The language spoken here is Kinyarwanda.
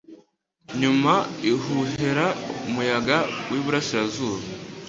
Nyuma ihuhera umuyaga w’iburasirazuba